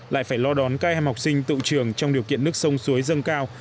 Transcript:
lại phải lo đón các em học sinh tự trường trong điều kiện nước sông suối dâng cao